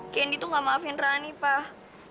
kendi tuh gak maafin rani pak